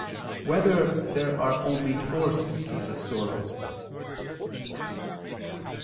8] Whether There Are Only Four Species of Sorrow?